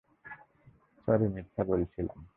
Sorry, মিথ্যা বলেছিলাম।